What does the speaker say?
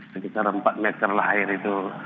sekitar empat meter lah air itu